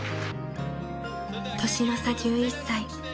［年の差１１歳］